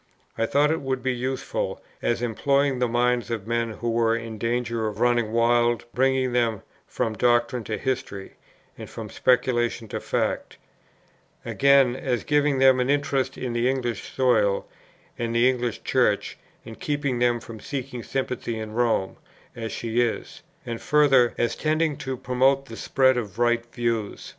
I thought it would be useful, as employing the minds of men who were in danger of running wild, bringing them from doctrine to history, and from speculation to fact; again, as giving them an interest in the English soil, and the English Church, and keeping them from seeking sympathy in Rome, as she is; and further, as tending to promote the spread of right views.